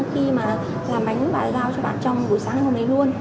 khi mà làm bánh bà giao cho bạn trong buổi sáng hôm nay luôn